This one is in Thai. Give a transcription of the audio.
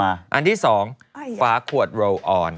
อันที่สองฝาขวดโลออน